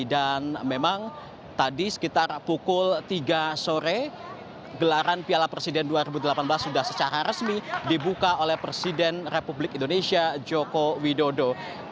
dan memang tadi sekitar pukul tiga sore gelaran piala presiden dua ribu delapan belas sudah secara resmi dibuka oleh presiden republik indonesia joko widodo